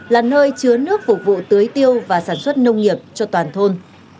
là nơi chứa nước phục vụ tưới tiêu và sản xuất nông nghiệp cho toàn thôn